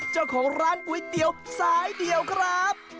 เจ้าของร้านก๋วยเตี๋ยวสายเดี่ยวครับ